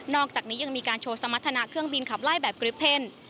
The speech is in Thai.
อกจากนี้ยังมีการโชว์สมรรถนาเครื่องบินขับไล่แบบกริปเพ่น